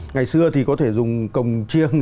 ngày xưa thì có thể dùng cồng chiêng